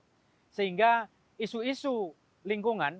dan juga membuatkan masyarakat lebih berpikir tentang isu isu lingkungan